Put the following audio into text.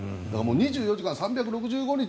２４時間３６５日